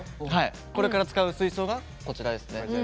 これから使う水槽がこちらです。